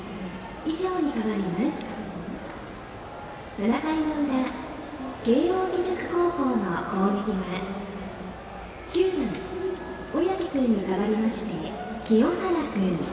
７回裏慶応義塾高校の攻撃は９番、小宅君に代わりまして清原君。